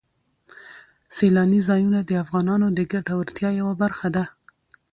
سیلاني ځایونه د افغانانو د ګټورتیا یوه برخه ده.